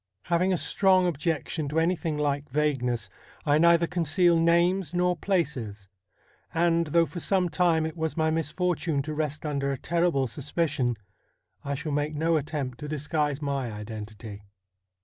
Having a strong objection to anything like vagueness, I neither conceal names nor places ; and, though for some time it was my misfortune to rest under a terrible suspicion, I shall make no attempt to disguise my identity.